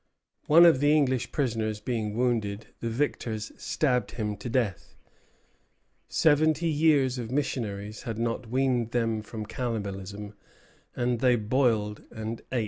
One of the English prisoners being wounded, the victors stabbed him to death. Seventy years of missionaries had not weaned them from cannibalism, and they boiled and eat the Demoiselle.